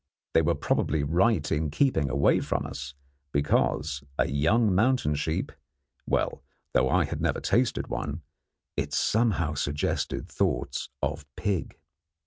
They were probably right in keeping away from us, because a young mountain sheep well, though I had never tasted one, it somehow suggested thoughts of pig.